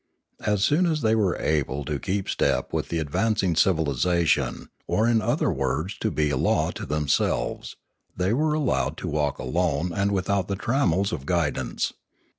As soon as they were able to keep step with the advancing civilisation, or in other words to be a law to themselves, they were allowed to walk alone and without the trammels of guidance.